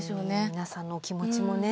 皆さんのお気持ちもね。